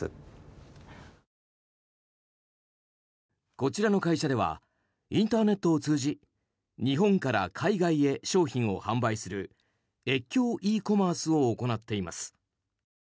こちらの会社ではインターネットを通じ日本から海外へ商品を販売する越境ｅコマースを行っています。